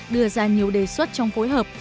đưa ra nhiều đề xuất trong phối hợp